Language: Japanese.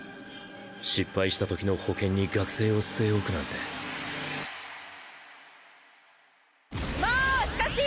失敗した時の保険に学生を据え置くなんてましかし！